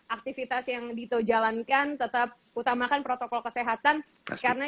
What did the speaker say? aktivitas yang dito jalankan tetap utamakan protokol kesehatan karena